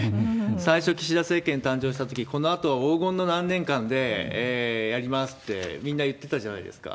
最初、岸田政権誕生したとき、このあと黄金の何年間でやりますって、みんな言ってたじゃないですか。